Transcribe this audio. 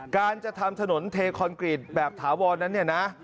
การจะทำถนนเทคอนกรีตแบบถาวรนั้นเนี่ยนะ